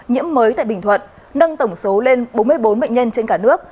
nhiễm mới tại bình thuận nâng tổng số lên bốn mươi bốn bệnh nhân trên cả nước